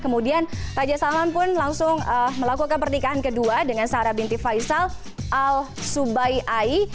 kemudian raja salman pun langsung melakukan pernikahan kedua dengan sarah binti faisal al subai ai